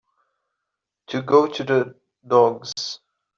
To go to the dogs.